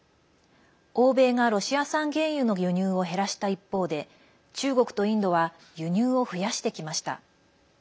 欧米が、ロシア産原油の輸入を減らした一方で中国とインドは輸入を増やしてきました。